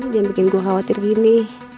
yang bikin gue khawatir gini